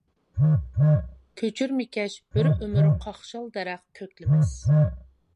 كۆچۈرمىكەش بىر ئۆمۈر قاقشال دەرەخ كۆكلىمەس!